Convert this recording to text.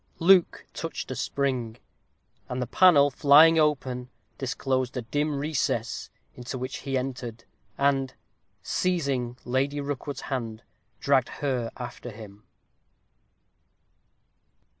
Luke touched a spring, and the panel flying open, disclosed a dim recess, into which he entered; and, seizing Lady Rookwood's hand, dragged her after him.